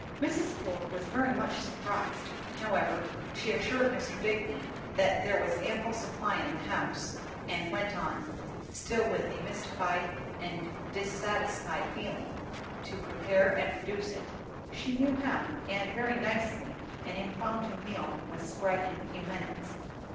Mrs. Cord was very much surprised; however, she assured Mr. Digby that there was ample supply in the house, and went on, still with a mystified and dissatisfied feeling, to prepare and produce it. She knew how, and very nicely an impromptu meal was spread in a few minutes.